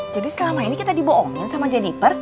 jadi selama ini kita dibohongin sama jennifer